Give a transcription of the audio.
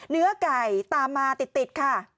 เนื้อไก่ตามมาติดค่ะ